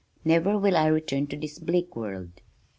Never will I return to this bleak world."